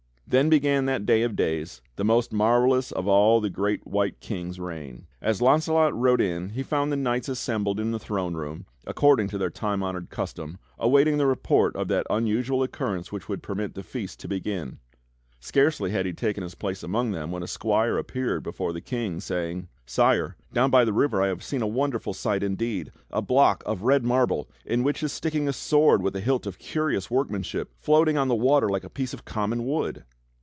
Then began that day of days, the most marvelous of all the great White King's reign. As Launcelot rode in he found the knights assembled in the throne room, according to their time honored custom aw\aiting the report of that unusual occurrence which would permit the Feast to begin. Scarcely had he taken his place among them when a squire appeared before the King saying: "Sire, down by the river I have seen a wonderful sight indeed — a block of red marble, in which is sticking a sword with a hilt of curious workmanship, floating on the water like a piece of common wood!"